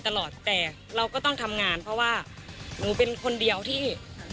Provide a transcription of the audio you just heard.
ตลอดแต่เราก็ต้องทำงานเพราะว่าหนูเป็นคนเดียวที่